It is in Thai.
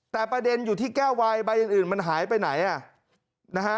แต่ประเด็นอยู่ที่แก้ววายใบอื่นมันหายไปไหนอ่ะนะฮะ